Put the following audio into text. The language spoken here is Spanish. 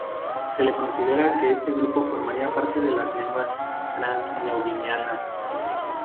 Se considera que este grupo formaría parte de las lenguas trans-neoguineanas.